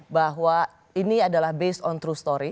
bahwa ini adalah based on true story